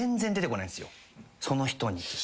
その人に。